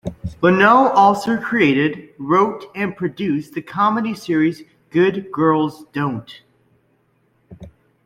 Lonow also created, wrote and produced the comedy series "Good Girls Don't".